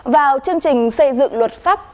vào chương trình xây dựng luật pháp